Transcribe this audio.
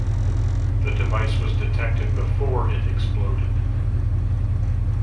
The device was detected before it exploded.